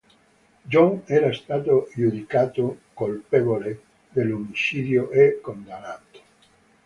John era stato giudicato colpevole dell'omicidio e condannato.